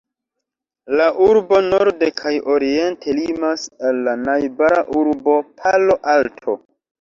La urbo norde kaj oriente limas al la najbara urbo Palo Alto.